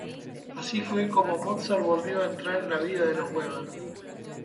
Así fue como Mozart volvió a entrar en la vida de los Weber.